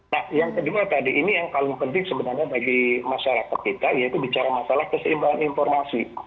nah yang kedua tadi ini yang paling penting sebenarnya bagi masyarakat kita yaitu bicara masalah keseimbangan informasi